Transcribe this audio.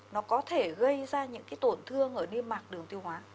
nó có thể gây ra những cái tổn thương ở đi mạc đường tiêu hóa